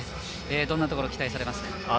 どんなところに期待されますか。